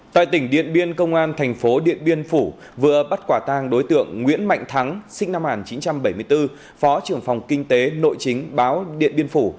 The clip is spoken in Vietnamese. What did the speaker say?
tại tỉnh điện biên công an thành phố điện biên phủ vừa bắt quả tang đối tượng nguyễn mạnh thắng sinh năm một nghìn chín trăm bảy mươi bốn phó trưởng phòng kinh tế nội chính báo điện biên phủ